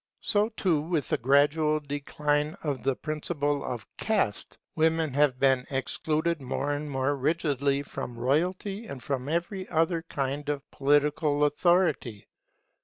So too with the gradual decline of the principle of Caste, women have been excluded more and more rigidly from royalty and from every other kind of political authority.